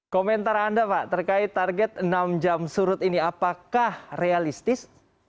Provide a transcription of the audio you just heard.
komentar anda pak terkait target enam jam surut ini apakah realistis